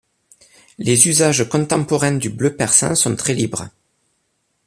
Les usages contemporains du bleu persan sont très libres.